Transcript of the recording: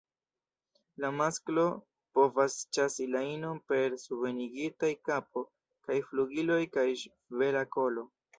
La masklo povas ĉasi la inon per subenigitaj kapo kaj flugiloj kaj ŝvela kolo.